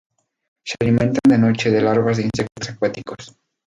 Se alimentan de noche de larvas de insectos acuáticos.